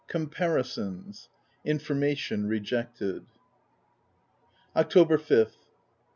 COMPARISONS : INFORMATION REJECTED. October 5th.